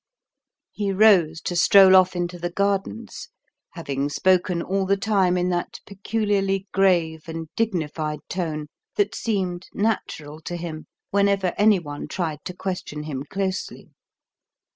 He rose to stroll off into the gardens, having spoken all the time in that peculiarly grave and dignified tone that seemed natural to him whenever any one tried to question him closely.